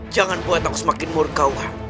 jangan buat aku semakin murka